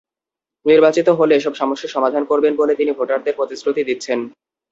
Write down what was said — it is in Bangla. নির্বাচিত হলে এসব সমস্যা সমাধান করবেন বলে তিনি ভোটারদের প্রতিশ্রুতি দিচ্ছেন।